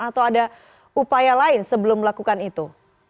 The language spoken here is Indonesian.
atau ada upaya lain sebelum melakukan itu